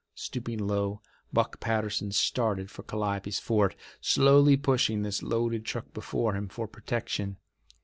Stooping low, Buck Patterson started for Calliope's fort, slowly pushing this loaded truck before him for protection.